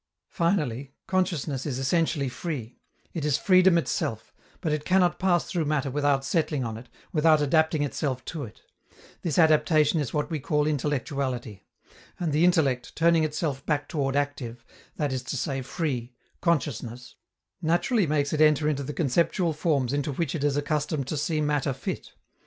Finally, consciousness is essentially free; it is freedom itself; but it cannot pass through matter without settling on it, without adapting itself to it: this adaptation is what we call intellectuality; and the intellect, turning itself back toward active, that is to say free, consciousness, naturally makes it enter into the conceptual forms into which it is accustomed to see matter fit.